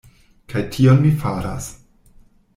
Kaj tion mi faras.